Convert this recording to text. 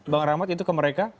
bang rahmat itu ke mereka